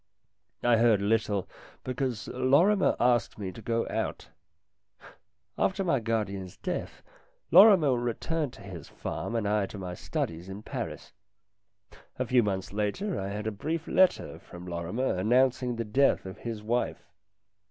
I heard little, because Lorrimer asked me to go out. After my guardian's death Lorrimer returned to his farm and I to my studies in Paris. A few months later I had a brief letter from Lorrimer announcing the death of his wife.